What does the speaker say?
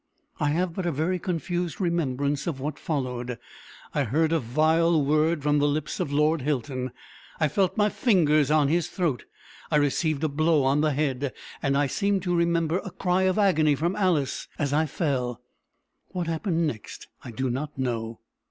I have but a very confused remembrance of what followed. I heard a vile word from the lips of Lord Hilton; I felt my fingers on his throat; I received a blow on the head; and I seem to remember a cry of agony from Alice as I fell. What happened next I do not know.